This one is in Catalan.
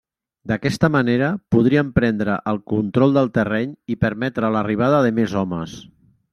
D'aquesta manera podrien prendre el control del terreny i permetre l'arribada de més homes.